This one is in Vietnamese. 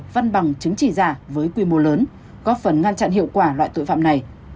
văn bằng chứng chỉ giả với quy mô lớn góp phần ngăn chặn hiệu quả loại tội phạm này